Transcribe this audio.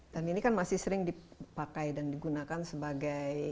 dan ini kan masih sering dipakai dan digunakan sebagai